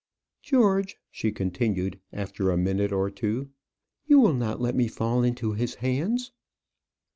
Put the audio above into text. "George," she continued, after a minute or two, "you will not let me fall into his hands?"